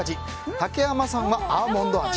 竹山さんは、アーモンド味。